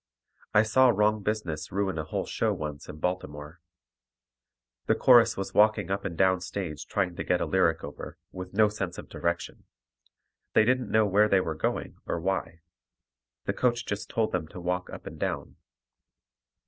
I saw wrong business ruin a whole show once in Baltimore. The chorus was walking up and down stage trying to get a lyric over, with no sense of direction. They didn't know where they were going or why. The coach just told them to walk up and down.